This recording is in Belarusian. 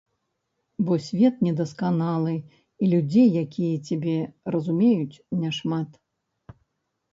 Бо свет недасканалы, і людзей, якія цябе разумеюць, няшмат.